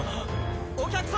お客様！